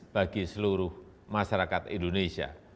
bagi seluruh masyarakat indonesia